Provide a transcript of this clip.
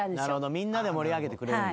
みんなで盛り上げてくれるんだ。